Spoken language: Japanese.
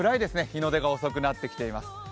日の出が遅くなってきています。